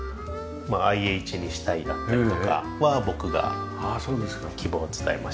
ＩＨにしたいだったりとかは僕が希望を伝えました。